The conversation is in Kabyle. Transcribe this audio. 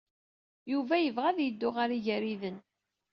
Yuba yebɣa ad yeddu ɣer Igariden.